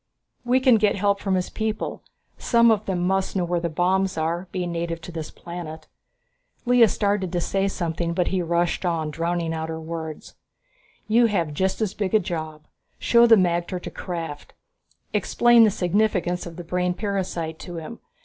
We can get help from his people. Some of them must know where the bombs are, being native to this planet." Lea started to say something, but he rushed on, drowning out her words. "You have just as big a job. Show the magter to Krafft, explain the significance of the brain parasite to him.